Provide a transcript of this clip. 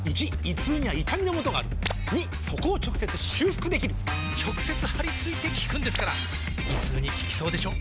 ①胃痛には痛みのもとがある②そこを直接修復できる直接貼り付いて効くんですから胃痛に効きそうでしょ？